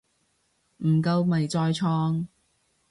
唔夠咪再創